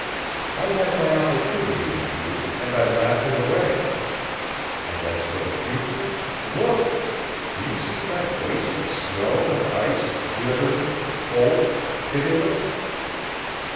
"I had my opportunity with you, and I laughed it away. And as for the future look! Do you see that waste of snow and ice, glittering, cold, pitiless?